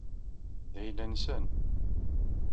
D ayla-nsen.